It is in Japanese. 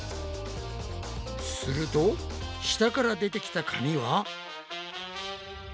すると下から出てきた紙は？